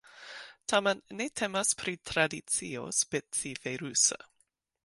Tamen ne temas pri tradicio specife rusa.